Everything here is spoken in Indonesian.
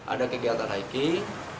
ada kegiatan hiking